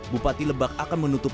bupati lebak akan mengecek